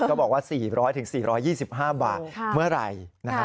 ก็บอกว่า๔๐๐๔๒๕บาทเมื่อไหร่